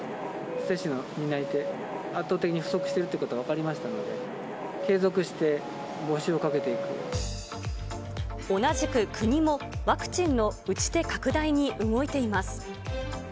接種の担い手、圧倒的に不足しているっていうことが分かりましたので、継続して同じく国も、ワクチンの打ち手拡大に動いています。